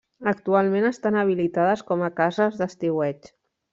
Actualment estan habilitades com a cases d'estiueig.